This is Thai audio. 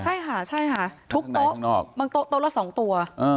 ใช่ค่ะใช่ค่ะทุกโต๊ะม์โต๊ะละสองตัว